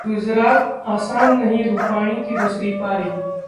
गुजरातः आसान नहीं रूपाणी की दूसरी पारी